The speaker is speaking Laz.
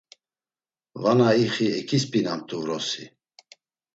Vana ixi eǩisp̌inamt̆u vrosi.